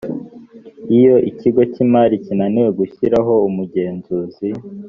iyo ikigo cy’imari kinaniwe gushyiraho umugenzuzi